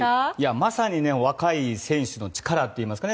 まさにね若い選手の力といいますかね。